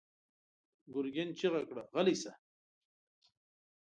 ګرګين چيغه کړه: غلی شه!